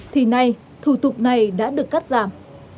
thì nay thủ tục này đã được cắt giảm